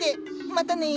またね。